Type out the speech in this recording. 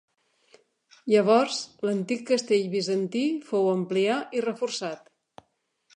Llavors, l'antic castell bizantí fou ampliar i reforçat.